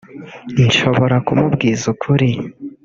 nshobora kumubwiza ukuri